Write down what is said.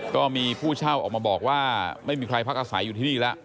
ก็มีผู้เช่าออกมาบอกว่าไม่มีใครพักอาศัยอยู่ที่นี่แล้ว